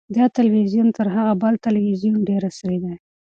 دا تلویزیون تر هغه بل تلویزیون ډېر عصري دی.